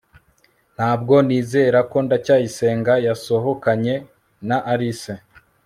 ntabwo nizera ko ndacyayisenga yasohokanye na alice